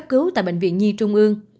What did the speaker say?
huyên đã được cứu tại bệnh viện nhi trung ương